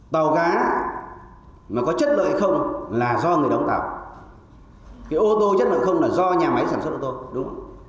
tàu cá mà có chất lợi không là do người đóng tàu ô tô chất lợi không là do nhà máy sản xuất ô tô